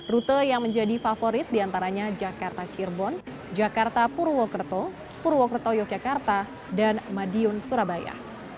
rute yang menjadi favorit diantaranya jakarta cirebon jakarta purwokerto purwokerto yogyakarta dan madiun surabaya